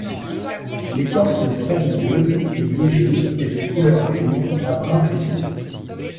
L'écorce de tronc rugueuse et liégeuse est de couleur grise à brun foncé.